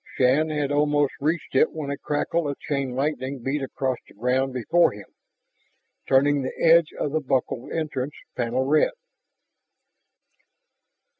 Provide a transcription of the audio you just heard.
Shann had almost reached it when a crackle of chain lightning beat across the ground before him, turning the edge of the buckled entrance panel red.